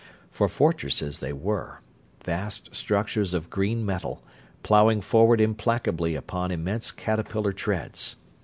For fortresses they were; vast structures of green metal, plowing forward implacably upon immense caterpillar treads.